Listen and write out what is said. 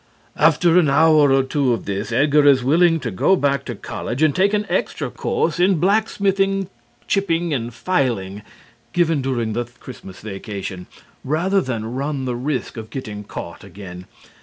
After an hour or two of this Edgar is willing to go back to college and take an extra course in Blacksmithing, Chipping and Filing, given during the Christmas vacation, rather than run the risk of getting caught again.